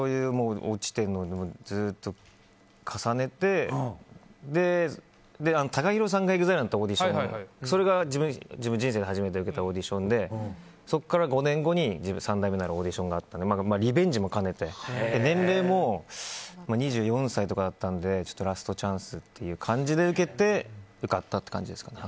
落ちてるを、ずっと重ねてＴＡＫＡＨＩＲＯさんがＥＸＩＬＥのオーディションでそれが自分の人生で初めて受けたオーディションでそこから５年後に三代目になるオーディションがあったのでリベンジもかねて、年齢も２４歳とかだったのでラストチャンスという感じで受けて受かったっていう感じですね。